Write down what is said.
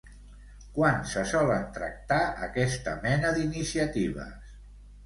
Quan se solen tractar aquesta mena d'iniciatives?